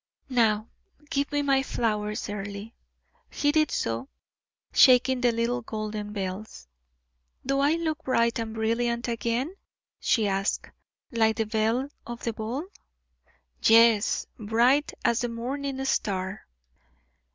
"Now give me my flowers, Earle." He did so, shaking the little golden bells. "Do I look bright and brilliant again?" she asked "like the belle of the ball?" "Yes, bright as the morning star."